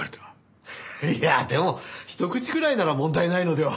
いやあでもひと口くらいなら問題ないのでは？